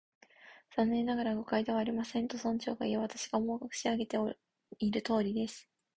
「残念ながら、誤解ではありません」と、村長がいう。「私が申し上げているとおりです」